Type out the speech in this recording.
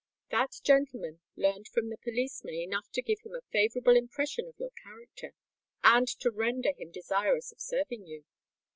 "That gentleman learnt from the policeman enough to give him a favourable impression of your character, and to render him desirous of serving you.